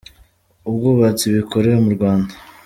ubwubatsi bikorewe mu Rwanda.